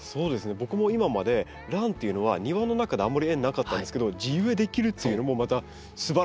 僕も今までランというのは庭の中であまり縁なかったんですけど地植えできるっていうのもまたすばらしいなと思って。